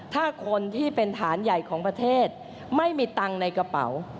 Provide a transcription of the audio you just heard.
ถ้าคนที่เป็นฐานใหญ่ของประเทศไม่มีตังค์ในกระเป๋า